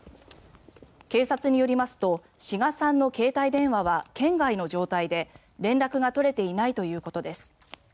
警察によりますと志賀さんの携帯電話は圏外の状態で、連絡が取れていないということです。